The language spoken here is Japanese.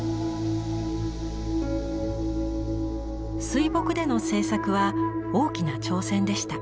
水墨での制作は大きな挑戦でした。